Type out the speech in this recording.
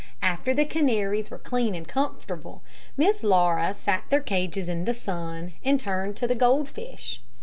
After the canaries were clean and comfortable, Miss Laura set their cages in the sun, and turned to the goldfish.